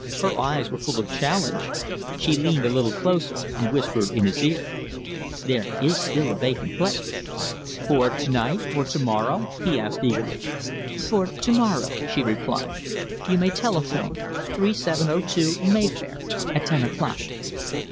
Her eyes were full of challenge. She leaned a little closer and whispered in his ear: "There is still a vacant place." "For to night or to morrow?" he asked eagerly. "For to morrow," she replied. "You may telephone 3702 Mayfair at ten o'clock."